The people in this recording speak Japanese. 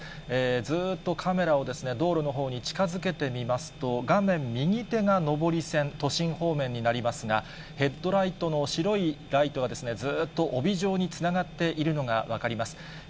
ずーっとカメラを道路のほうに近づけてみますと、画面右手が上り線、都心方面になりますが、ヘッドライトの白いライトが、ずっと帯状につながっているのが分かります。